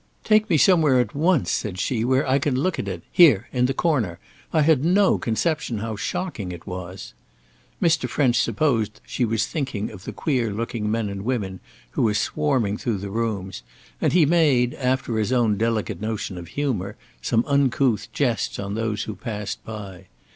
"Take me somewhere at once," said she, "where I can look at it. Here! in the corner. I had no conception how shocking it was!" Mr. French supposed she was thinking of the queer looking men and women who were swarming through the rooms, and he made, after his own delicate notion of humour, some uncouth jests on those who passed by.